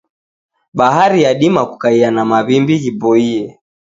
Bahari yadima kukaia na mawimbi ghiboie.